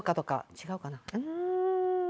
違うかな。